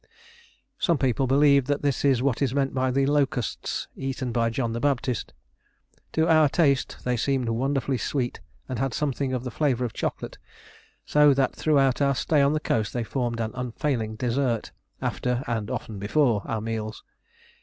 Some people believe that this is what is meant by the "locusts" eaten by John the Baptist. To our taste they seemed wonderfully sweet and had something of the flavour of chocolate, so that throughout our stay on the coast they formed an unfailing dessert after, and often before our meals.